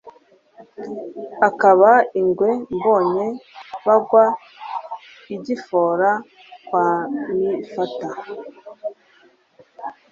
Akaba ingwe Mbonye bagwa agifora kwa Mifata